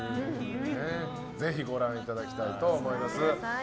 ぜひご覧いただきたいと思います。